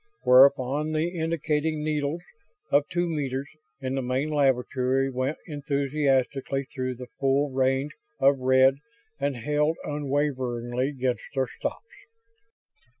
Whereupon the indicating needles of two meters in the main laboratory went enthusiastically through the full range of red and held unwaveringly against their stops.